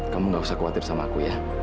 kamu gak usah khawatir sama aku ya